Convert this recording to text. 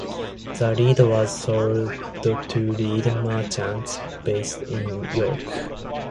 The lead was sold to lead merchants based in York.